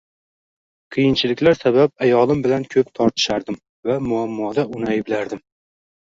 Qiyinchiliklar sabab ayolim bilan ko‘p tortishardim va muammoda uni ayblardim